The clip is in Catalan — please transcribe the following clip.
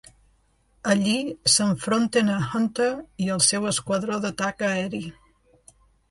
Allí, s'enfronten a Hunter i el seu esquadró d'atac aeri.